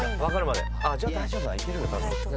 分かるまで。